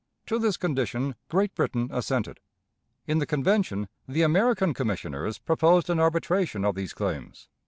To this condition Great Britain assented. In the Convention the American Commissioners proposed an arbitration of these claims.